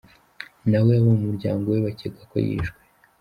Nawe abo mu muryango we bakeka ko yishwe.